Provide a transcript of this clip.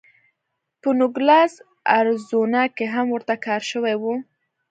په نوګالس اریزونا کې هم ورته کار شوی و.